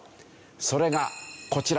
それがこちら。